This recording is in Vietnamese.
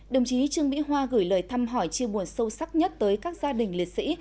đồng chí trương mỹ hoa gửi lời thăm hỏi chiêu buồn sâu sắc nhất tới các gia đình liệt sĩ